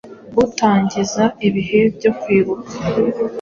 utangiza ibihe byo kwibuka